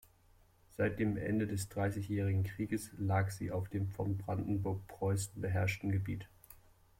Seit dem Ende des Dreißigjährigen Krieges lag sie auf dem von Brandenburg-Preußen beherrschten Gebiet.